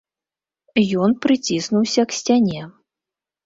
Ён прыціснуўся к сцяне.